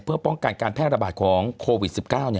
เพื่อป้องกันการแพร่ระบาดของโควิด๑๙